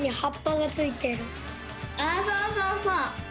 あっそうそうそう。